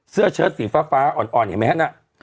เสื้อเชิดสีฟ้าอ่อนเห็นมั้ยฮะนะ